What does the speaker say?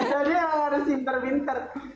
jadi emang harus pinter pinter